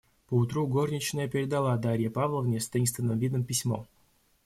Поутру горничная передала Дарье Павловне, с таинственным видом, письмо.